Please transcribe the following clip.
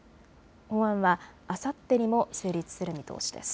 法案はあさってにも成立する見通しです。